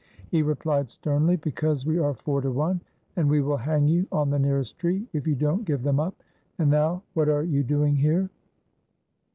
He replied, sternly: "Because we are four to one, and we will hang you on the nearest tree if you don't give them up. And, now, what are you doing here?"